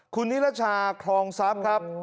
คุณนิษฐาครองทราบครับ